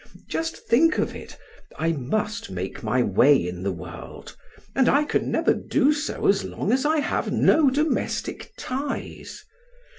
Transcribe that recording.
Just think of it! I must make my way in the world and I can never do so as long as I have no domestic ties.